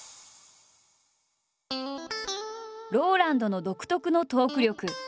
ＲＯＬＡＮＤの独特のトーク力。